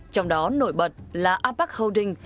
trong đó nổi bật là apac holding